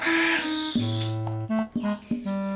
aduh kali masuk gimana